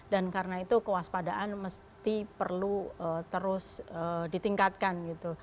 dan karena itu kewaspadaan mesti perlu terus ditingkatkan